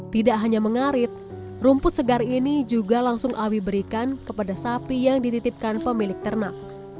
tidak hanya mengarit rumput segar ini juga langsung awi berikan kepada sapi yang dititipkan pemilik ternak